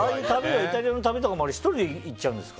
イタリアの旅とかも１人で行っちゃうんですか？